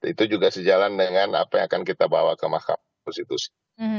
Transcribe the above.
itu juga sejalan dengan apa yang akan kita bawa ke mahkamah konstitusi